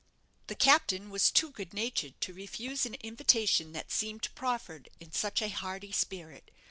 The captain was too good natured to refuse an invitation that seemed proffered in such a hearty spirit.